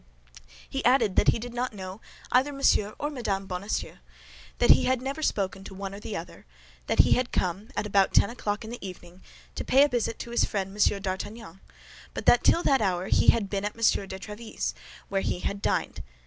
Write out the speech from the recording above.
He added that he did not know either M. or Mme. Bonacieux; that he had never spoken to the one or the other; that he had come, at about ten o'clock in the evening, to pay a visit to his friend M. d'Artagnan, but that till that hour he had been at M. de Tréville's, where he had dined.